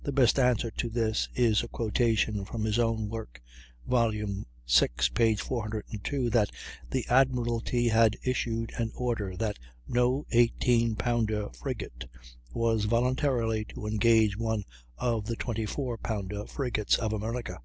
The best answer to this is a quotation from his own work (vol. vi, p. 402), that "the admiralty had issued an order that no 18 pounder frigate was voluntarily to engage one of the 24 pounder frigates of America."